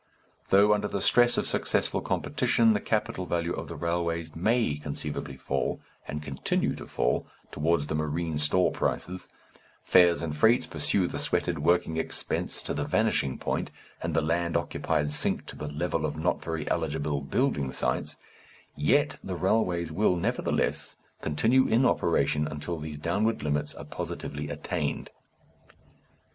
Though under the stress of successful competition the capital value of the railways may conceivably fall, and continue to fall, towards the marine store prices, fares and freights pursue the sweated working expenses to the vanishing point, and the land occupied sink to the level of not very eligible building sites: yet the railways will, nevertheless, continue in operation until these downward limits are positively attained.